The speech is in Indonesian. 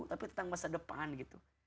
tapi tentang masa depan gitu